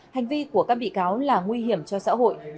hành vi của các bị cáo là nguy hiểm cho xã hội đồng nghiệp